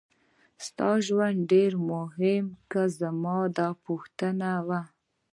ستا ژوند ډېر مهم و که زما دا پوښتنه وه.